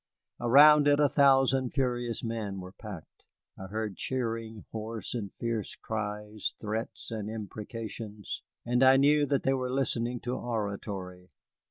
Around it a thousand furious men were packed. I heard cheering, hoarse and fierce cries, threats and imprecations, and I knew that they were listening to oratory.